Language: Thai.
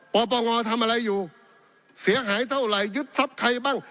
ปปงทำอะไรอยู่เสียหายเท่าไหร่ยึดทรัพย์ใครบ้าง